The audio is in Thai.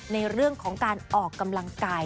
ในเรื่องของการออกกำลังกาย